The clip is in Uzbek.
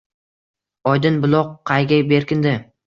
Oydin buloq qayga berkindi?!